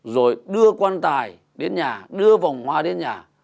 rồi đưa quan tài đến nhà đưa vòng hoa đến nhà